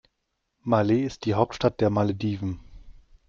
Malé ist die Hauptstadt der Malediven.